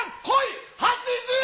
こい！